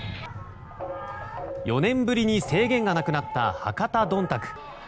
４年ぶりに制限がなくなった博多どんたく。